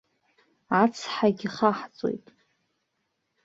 Ацҳагьы ҳахҵоит.